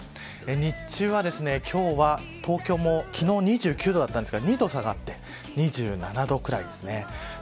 日中はですね、今日は昨日２９度だったんですが２度下がって２７度くらいですね。